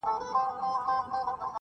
ته پوهیږې د ابا سیوری دي څه سو؟-!